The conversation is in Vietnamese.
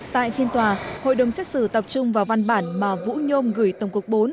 tại phiên tòa hội đồng xét xử tập trung vào văn bản mà vũ nhôm gửi tổng quốc bốn